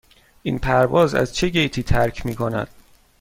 این پرواز از چه گیتی ترک می کند؟